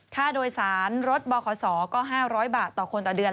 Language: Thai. ค่าโดยสารรถบขศก็๕๐๐บาทต่อคนต่อเดือน